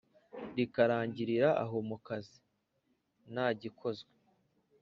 rikarangirira aho mukazi ntagikozwe